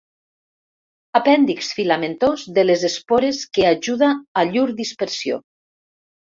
Apèndix filamentós de les espores que ajuda a llur dispersió.